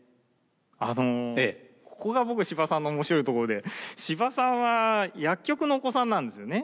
あのここが僕司馬さんの面白いところで司馬さんは薬局のお子さんなんですよね。